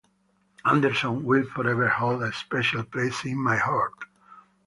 Anderson will forever hold a special place in my heart.